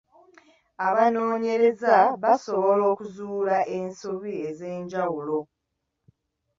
Abanoonyereza baasobola okuzuula ensobi ez’enjawulo.